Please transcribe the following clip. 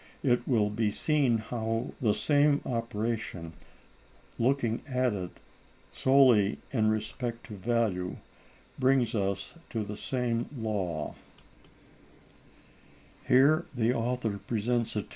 240), it will be seen how the same operation, looking at it solely in respect to value, brings us to the same law: Price A B C D per Bushel.